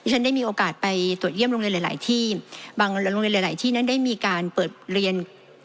ฉันได้มีโอกาสไปตรวจเยี่ยมโรงเรียนหลายหลายที่บางโรงเรียนหลายที่นั้นได้มีการเปิดเรียน